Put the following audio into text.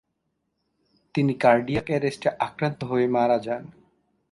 তিনি কার্ডিয়াক অ্যারেস্টে আক্রান্ত হয়ে মারা যান।